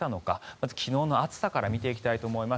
まず昨日の暑さから見ていきたいと思います。